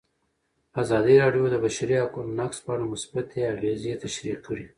ازادي راډیو د د بشري حقونو نقض په اړه مثبت اغېزې تشریح کړي.